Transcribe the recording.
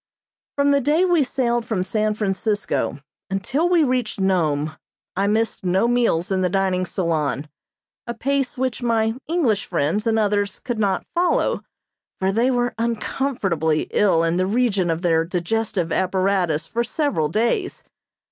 From the day we sailed from San Francisco until we reached Nome I missed no meals in the dining salon, a pace which my English friends and others could not follow, for they were uncomfortably ill in the region of their digestive apparatus for several days.